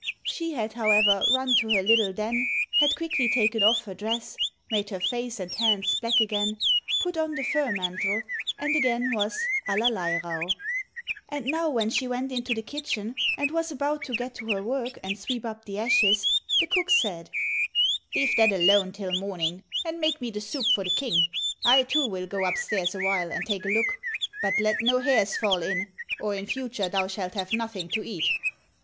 She had, however, run into her little den, had quickly taken off her dress, made her face and hands black again, put on the fur mantle, and again was Allerleirauh. And now when she went into the kitchen, and was about to get to her work and sweep up the ashes, the cook said, "Leave that alone till morning, and make me the soup for the King; I, too, will go upstairs awhile, and take a look; but let no hairs fall in, or in future thou shalt have nothing to eat."